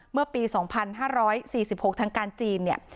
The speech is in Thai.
เมื่อปี๒๕๔๖ทางการจีนเนี่ย